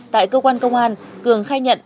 tại cơ quan công an cường khai nhận